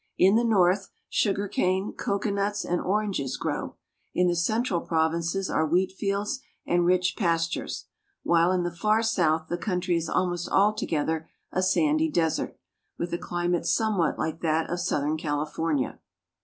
In the north sugar cane, cocoanuts, and oranges grow; in the central provinces are wheatfields and rich pastures; while in the far south the country is almost altogether a sandy desert, with a climate somewhat like that of southern California.